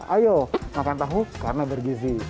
ayo makan tahu karena bergizi